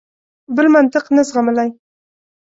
بل منطق نه زغملای.